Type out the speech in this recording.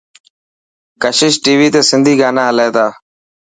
ڪشش ٽي وي تي سنڌي گانا هلي تا.